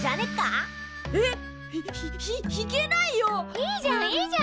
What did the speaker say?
いいじゃんいいじゃん。